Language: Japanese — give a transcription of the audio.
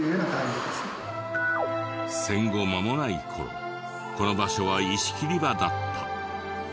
戦後まもない頃この場所は石切り場だった。